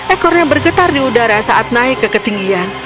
ekornya bergetar di udara saat naik ke ketinggian